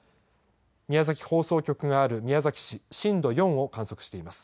宮崎放送局がある宮崎市、震度４を観測しています。